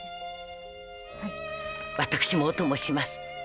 私もお供します。